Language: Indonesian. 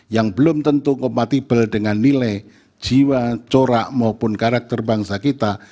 yang belum tentu kompatibel dengan nilai jiwa corak maupun karakter bangsa kita